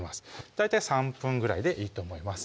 大体３分ぐらいでいいと思います